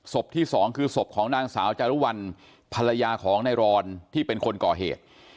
ที่สองคือศพของนางสาวจารุวัลภรรยาของนายรอนที่เป็นคนก่อเหตุ